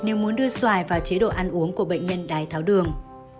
nếu muốn đưa xoài vào chế độ ăn uống của bệnh nhân đái tháo đường